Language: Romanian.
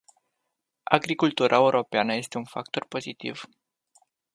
Agricultura europeană este un factor pozitiv.